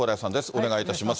お願いいたします。